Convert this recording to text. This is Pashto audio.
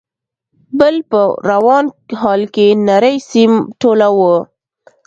، بل په روان حال کې نری سيم ټولاوه.